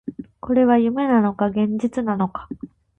これは夢なのか、現実なのか